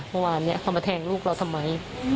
เมื่อวานนี้เขามาแทงลูกเราทำไม